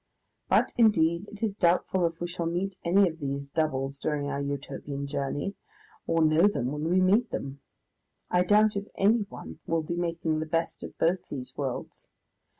... But, indeed, it is doubtful if we shall meet any of these doubles during our Utopian journey, or know them when we meet them. I doubt if anyone will be making the best of both these worlds.